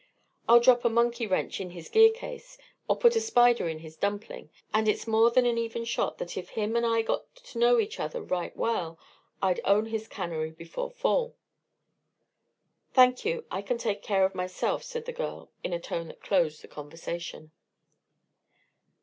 I'll drop a monkey wrench in his gear case or put a spider in his dumpling; and it's more than an even shot that if him and I got to know each other right well, I'd own his cannery before fall." "Thank you, I can take care of myself!" said the girl, in a tone that closed the conversation.